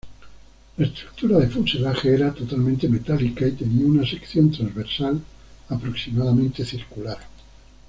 La estructura de fuselaje era totalmente metálica y tenía una sección transversal aproximadamente circular.